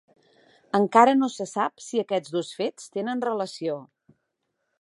Encara no se sap si aquests dos fets tenen relació.